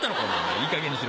いいかげんにしろ。